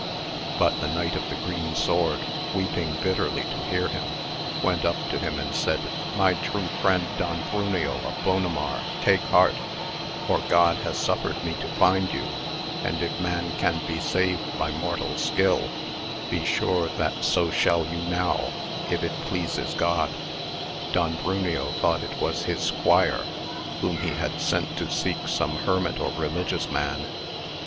But the Ejiight of the Green Sword weeping bitterly to hear him, went up to him and said, my true friend Don Bruneo of Bonamar take heart I for God has suffered me to find you, and if man can be saved by mortal skill be sure that so shall you now if it pleases God. Don Bruneo thought it was his squire, whom he had sent to seek some hermit or religious man.